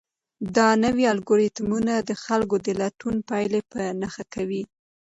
دا نوي الګوریتمونه د خلکو د لټون پایلې په نښه کوي.